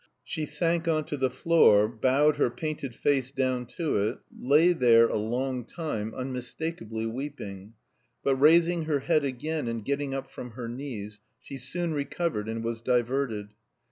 She sank on to the floor, bowed her painted face down to it, lay there a long time, unmistakably weeping; but raising her head again and getting up from her knees, she soon recovered, and was diverted.